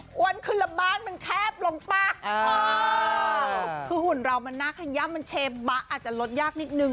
ควรคนละบ้านมันแคบลงป่ะคือหุ่นเรามันน่าขย่ำมันเชบะอาจจะลดยากนิดนึง